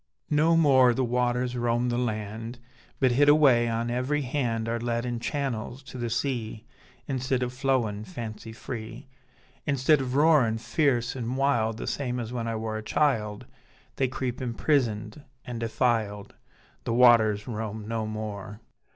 No more the waters roam the land, But hid away on every hand Are led in channels to the sea, Instead of flowin' fancy free, Instead of roarin' fierce an' wild The same as when I wor a child, They creep imprisoned an' defiled: The waters roam no more.